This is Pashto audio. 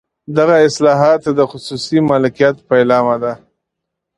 دغه اصلاحات د خصوصي مالکیت پیلامه ده.